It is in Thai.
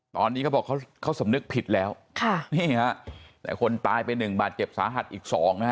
ตอนนี้เขาบอกเขาสำนึกผิดแล้วแต่คนตายไป๑บาทเก็บสาหัสอีก๒